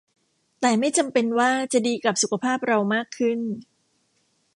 แต่ไม่จำเป็นว่าจะดีกับสุขภาพเรามากขึ้น